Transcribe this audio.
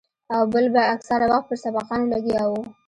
او بل به اکثره وخت پر سبقانو لګيا وو.